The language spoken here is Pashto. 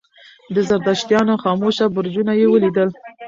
د زردشتانو خاموشه برجونه یې ولیدل.